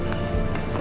terima kasih mbak